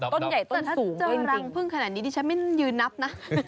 ถ้าเจอรังภึ้งขนาดนี้ดิฉันไม่ยืนนับนะ